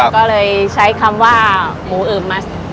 ก็เลยใช้คำว่าหมูอึมมา